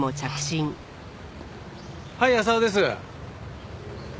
はい浅輪です。